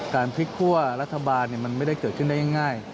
การพลิกคั่วรัฐบาลมันไม่ได้เกิดขึ้นได้ง่าย